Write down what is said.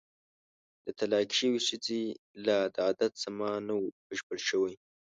د طلاقې شوې ښځې لا د عدت زمان نه وو بشپړ شوی.